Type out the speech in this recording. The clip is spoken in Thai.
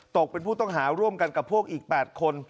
ตกเป็นผู้ต้องหาร่วมกันกับพวกอีก๘คน